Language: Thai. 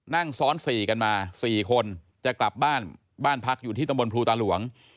นั่งซ้อน๔กันมา๔คนจะกลับบ้านบ้านพักอยู่ที่ตำบลภูตาหลวง